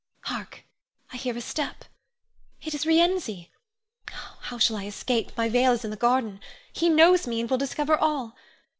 Hark! I hear a step. It is Rienzi. How shall I escape, my veil is in the garden! He knows me and will discover all.